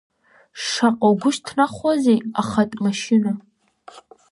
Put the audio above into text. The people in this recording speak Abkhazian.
Шаҟа угәы шьҭнахуазеи ахатә машьына!